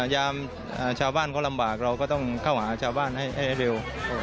ยามชาวบ้านเขาลำบากเราก็ต้องเข้าหาชาวบ้านให้เร็ว